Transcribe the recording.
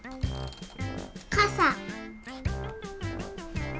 かさ！